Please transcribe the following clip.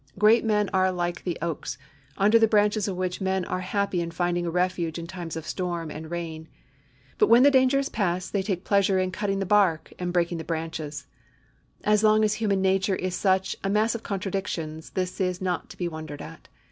Great men are like the oaks, under the branches of which men are happy in finding a refuge in times of storm and rain. But when the danger is past they take pleasure in cutting the bark and breaking the branches. As long as human nature is such a mass of contradictions this is not to be wondered at.